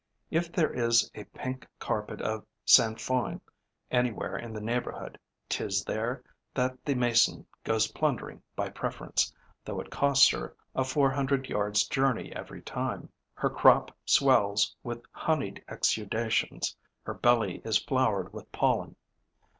If there is a pink carpet of sainfoin anywhere in the neighbourhood, 'tis there that the Mason goes plundering by preference, though it cost her a four hundred yards' journey every time. Her crop swells with honeyed exudations, her belly is floured with pollen.